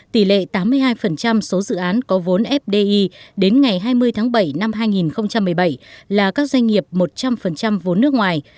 tỷ lệ tám mươi hai số dự án có vốn fdi đến ngày hai mươi tháng bảy năm hai nghìn một mươi bảy là các doanh nghiệp một trăm linh vốn nước ngoài